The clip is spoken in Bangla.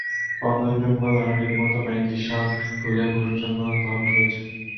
পদোন্নতির জন্য তারা রীতিমতো ব্যাংক হিসাব খুলে ঘুষের জন্য তহবিল করেছে।